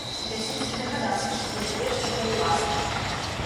Лясніцкі дагадаўся, што гэта верш яго ўласны.